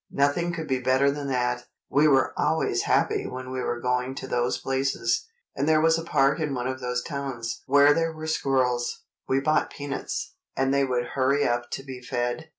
Nothing could be better than that. We were always happy when we were going to those places; and there was a park in one of those towns where there were squirrels. We bought peanuts, and they would hurry up to be fed.